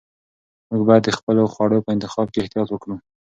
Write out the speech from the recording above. موږ باید د خپلو خوړو په انتخاب کې احتیاط وکړو.